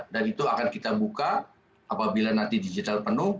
dan itu akan kita buka apabila nanti digital penuh